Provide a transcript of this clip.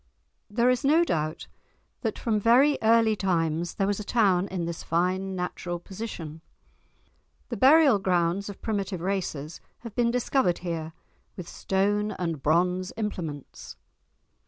There is no doubt that from very early times there was a town in this fine natural position. The burial grounds of primitive races have been discovered here, with stone and bronze implements.